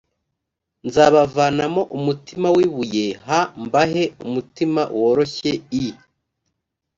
nzabavanamo umutima w ibuye h mbahe umutima woroshye i